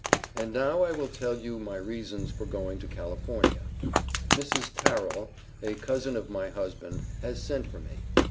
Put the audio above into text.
And now I will tell you my reasons for going to California. Mrs. Tarrol, a cousin of my husband, has sent for me.